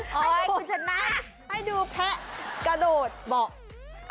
ให้คุณชนะให้ดูแพะกระโดดเบาะ